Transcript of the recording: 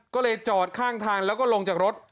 ก็เลยจอดข้างทางแล้วก็ลงจากรถ